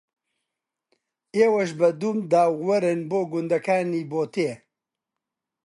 ئێوەش بە دوومدا وەرن بۆ گوندەکانی بۆتێ